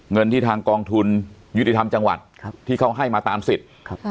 เงินที่ทางกองทุนยุติธรรมจังหวัดที่เขาให้มาตามสิทธิ์